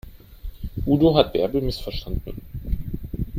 Udo hat Bärbel missverstanden.